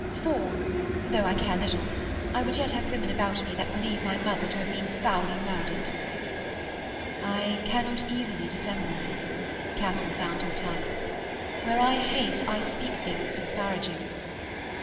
For though I care little I would yet have women about me that believe my mother to have been foully murdered.' 'I cannot easily dissemble.' Katharine found her tongue. 'Where I hate I speak things disparaging.'